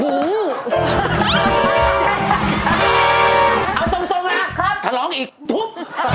เอาตรงนะครับถ้าร้องอีกทุบ